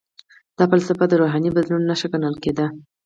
دا فلسفه د روحاني بدلون نښه ګڼل کیده.